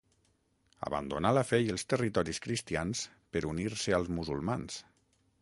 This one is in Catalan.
Abandonà la fe i els territoris cristians per unir-se als musulmans.